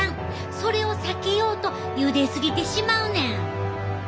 それを避けようとゆで過ぎてしまうねん。